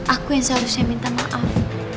aku yang seharusnya minta maaf